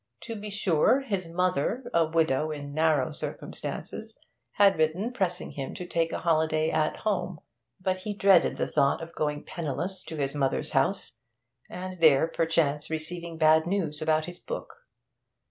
To be sure, his mother (a widow in narrow circumstances) had written pressing him to take a holiday 'at home,' but he dreaded the thought of going penniless to his mother's house, and there, perchance, receiving bad news about his book.